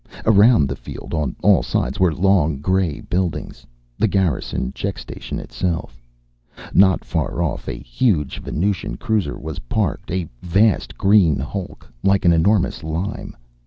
Around the field on all sides were long grey buildings, the Garrison check station itself. Not far off a huge Venusian cruiser was parked, a vast green hulk, like an enormous lime.